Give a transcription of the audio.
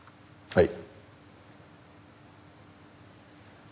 はい。